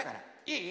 いい？